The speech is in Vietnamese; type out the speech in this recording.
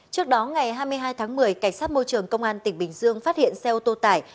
trước đó ngày hai mươi hai tháng một mươi cảnh sát môi trường công an tỉnh bình dương phát hiện xe ô tô tải